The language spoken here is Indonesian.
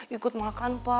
ikut makan pa